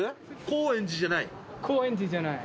高円寺じゃない。